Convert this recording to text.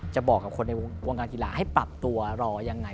จะบอกกับคนในวงการกีฬาให้ปรับตัวรอยังไง